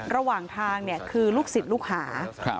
ระหว่างทางเนี่ยคือลูกศิลป์ลูกค้า